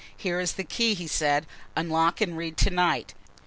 "Here is the key," he said. "Unlock and read to night."